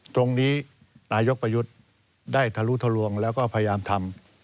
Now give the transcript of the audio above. ตรงนี้นายกประยุทธ์ได้ทะลุทะลวงแล้วก็พยายามทำ